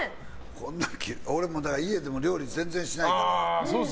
俺も家でも料理全然しないから。